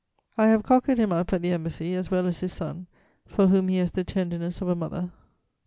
I have cockered him up at the Embassy, as well as his son, for whom he has the tenderness of a mother.